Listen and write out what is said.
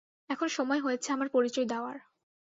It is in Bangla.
এখন সময় হয়েছে আমার পরিচয় দেওয়ার।